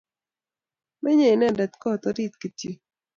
Menyei inendet kot orit kityo